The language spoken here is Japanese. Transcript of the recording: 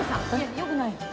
よくない。